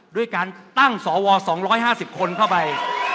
ด้วยการตั้งสว๒๕๐คนเข้าไป